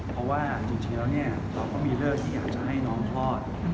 เพราะว่าจริงแล้วเนี่ยเช้าต้องมีเลิกที่จะให้น้องพลาด